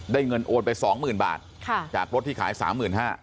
ได้เงินโอนไปสองหมื่นบาทจากรถที่ขายสามหมื่นห้า